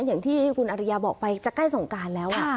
อย่างที่คุณอริยาบอกไปจะใกล้สงการแล้ว